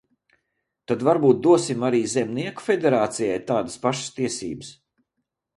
Tad varbūt dosim arī Zemnieku federācijai tādas pašas tiesības?